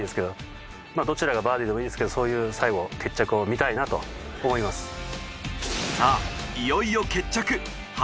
どちらがバーディでもいいですけどそういう最後決着を見たいなと思います。